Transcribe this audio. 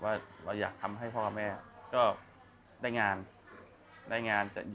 ว่าเราอยากทำให้พ่อกับแม่ก็ได้งานได้งาน